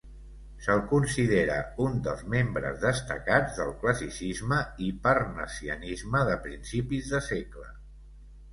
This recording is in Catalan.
Se'l considera un dels membres destacats del classicisme i parnassianisme de principis de segle.